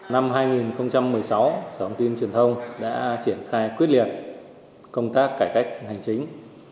năm hai nghìn một mươi sáu sở thông tin truyền thông đã triển khai quyết liệt công tác cải cách hành chính